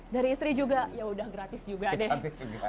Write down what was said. dari istri juga yaudah gratis juga deh